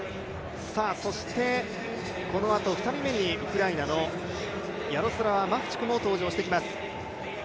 そしてこのあと２人目にウクライナのヤロスラワ・マフチクも登場してきます。